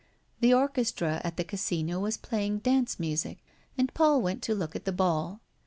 The orchestra at the Casino was playing dance music; and Paul went to look at the ball.